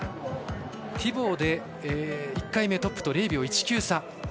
ティボーで１回目トップと０秒１９差。